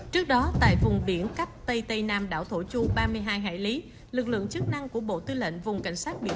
trước đó tại vùng biển cách tây tây nam đảo thổ chu ba mươi hai hải lý lực lượng chức năng của bộ tư lệnh vùng cảnh sát biển